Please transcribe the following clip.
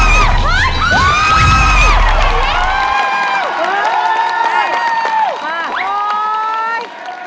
แล้วกี้น้องขนเกาะนี่ได้เลยได้เลยน่ากรอยนี่